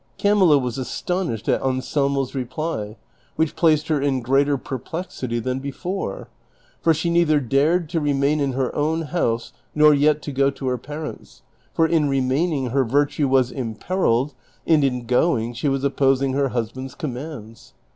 Camilla was astonished at Ansel mo's reply, which placed her in greater perplexity than before, for she neither dared to remain in her own house, nor yet to go to her I^arents' ; for in remaining her virtue was imperilled, and ingoing she was opposing her husband's commands.